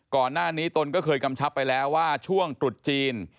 ก่อนหน้านี้ตนก็เคยกำชับไปแล้วว่าช่วงตรุษจีน